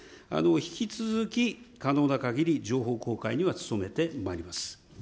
引き続き可能なかぎり情報公開には努めてまいります。